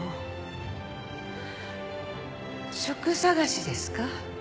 職探しですか？